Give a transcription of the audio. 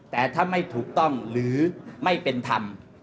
แต่ถ้าไม่ถูกต้องหรือไม่เป็นธรรม